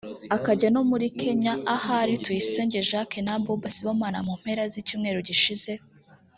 akajya no muri Kenya ahari Tuyisenge Jacques na Abouba Sibomana mu mpera z’icyumweru gishize